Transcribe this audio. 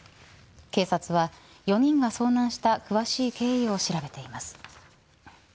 警察は４人が遭難した詳しい経緯を調べています。